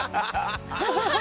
ハハハ